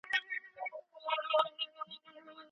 ايا د صدقې لپاره د خاوند اجازه ضروري ده؟